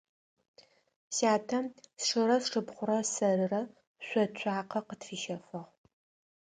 Сятэ сшырэ сшыпхъурэ сэрырэ шъо цуакъэ къытфищэфыгъ.